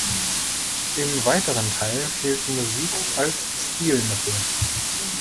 Im weiteren Teil fehlt Musik als Stilmittel.